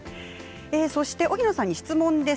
そして荻野さんに質問です。